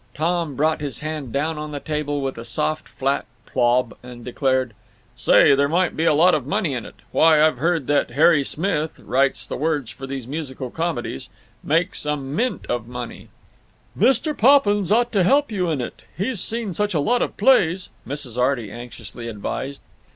Tom brought his hand down on the table with a soft flat "plob" and declared: "Say, there might be a lot of money in it. Why, I've heard that Harry Smith—writes the words for these musical comedies—makes a mint of money." "Mr. Poppins ought to help you in it—he's seen such a lot of plays," Mrs. Arty anxiously advised.